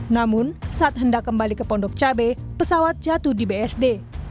namun saat hendak kembali ke pondok cabai pesawat jatuh di bsd